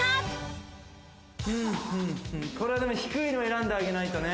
これは低いのを選んであげないとね。